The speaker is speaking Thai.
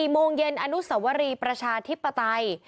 โมงเย็นอนุสวรีประชาธิปไตย